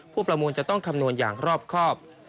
ประมูลจะต้องคำนวณอย่างรอบครอบ